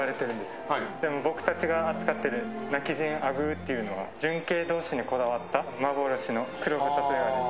でも僕たちが扱ってる今帰仁アグーっていうのは純系同士にこだわった幻の黒豚といわれてる。